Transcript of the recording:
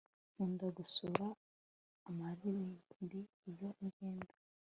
Nkunda gusura amarimbi iyo ngenda